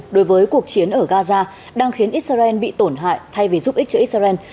đối với cuộc chiến ở gaza đang khiến israel bị tổn hại thay vì giúp ích cho israel